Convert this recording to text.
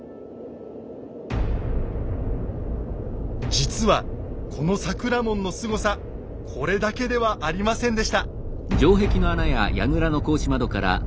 実はこの桜門のすごさこれだけではありませんでした。